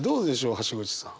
橋口さん。